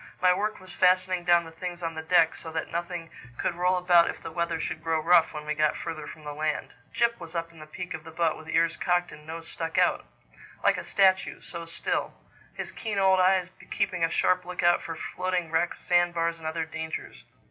My work was fastening down the things on the deck so that nothing could roll about if the weather should grow rough when we got further from the land. Jip was up in the peak of the boat with ears cocked and nose stuck out—like a statue, so still—his keen old eyes keeping a sharp look out for floating wrecks, sand bars, and other dangers.